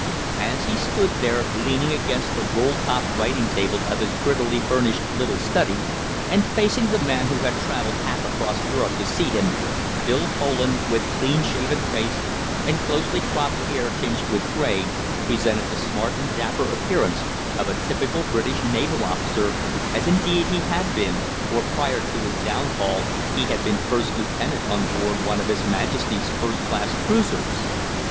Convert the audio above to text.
As he stood there, leaning against the roll top writing table of his prettily furnished little study and facing the man who had travelled half across Europe to see him, Phil Poland, with clean shaven face and closely cropped hair tinged with grey, presented the smart and dapper appearance of a typical British naval officer, as, indeed, he had been, for, prior to his downfall, he had been first lieutenant on board one of his Majesty's first class cruisers.